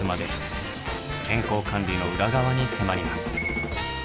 健康管理の裏側に迫ります。